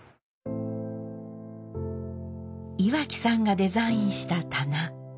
岩木さんがデザインした棚。